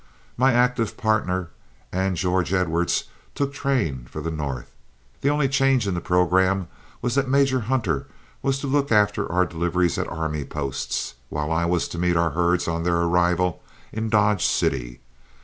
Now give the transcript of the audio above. My active partner and George Edwards took train for the north. The only change in the programme was that Major Hunter was to look after our deliveries at army posts, while I was to meet our herds on their arrival in Dodge City.